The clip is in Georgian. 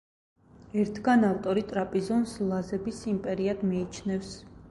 ერთგან ავტორი ტრაპიზონს ლაზების იმპერიად მიიჩნევს.